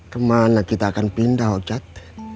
kemana kita akan pindah ochad